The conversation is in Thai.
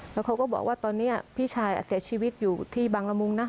แล้วเขาก็บอกว่าตอนนี้พี่ชายเสียชีวิตอยู่ที่บางละมุงนะ